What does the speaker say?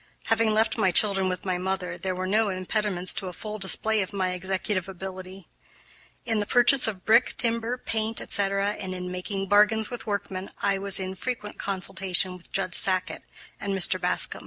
Having left my children with my mother, there were no impediments to a full display of my executive ability. In the purchase of brick, timber, paint, etc., and in making bargains with workmen, I was in frequent consultation with Judge Sackett and Mr. Bascom.